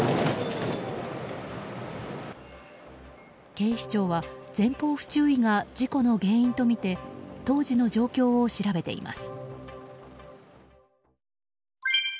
警視庁は前方不注意が事故の原因とみて当時の状況を調べています。